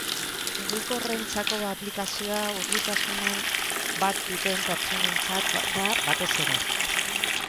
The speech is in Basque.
Mugikorrentzako aplikazioa urritasunen bat duten pertsonentzat da batez ere.